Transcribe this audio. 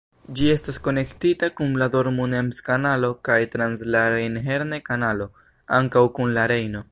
Ĝi estas konektita kun la Dortmund-Ems-Kanalo kaj trans la Rejn-Herne-Kanalo ankaŭ kun la Rejno.